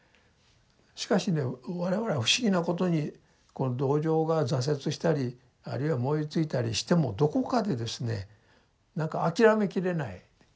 しかしね我々は不思議なことにこの同情が挫折したりあるいは燃えついたりしてもどこかでですねなんか諦めきれない。